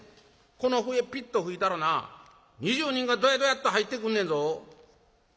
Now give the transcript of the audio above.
この笛ピッと吹いたらな２０人がドヤドヤッと入ってくんねんぞ」。